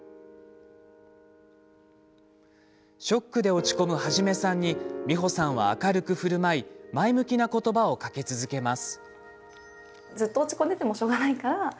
ショックで落ち込むハジメさんに美保さんは明るくふるまい前向きな言葉をかけ続けます。